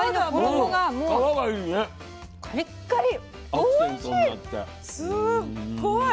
おいしい！